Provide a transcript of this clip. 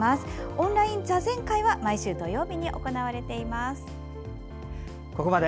オンライン座禅会は毎週土曜日に行われています。